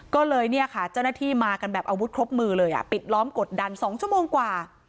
ก็เลยเนี่ยค่ะเจ้าหน้าที่มากันแบบอาวุธครบมือเลยอ่ะปิดล้อมกดดัน๒ชั่วโมงกว่า